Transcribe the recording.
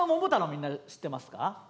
みんな知ってますか？